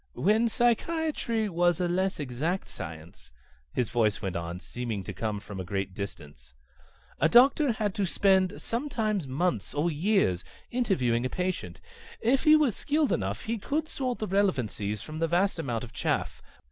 "When psychiatry was a less exact science," his voice went on, seeming to come from a great distance, "a doctor had to spend weeks, sometimes months or years interviewing a patient. If he was skilled enough, he could sort the relevancies from the vast amount of chaff.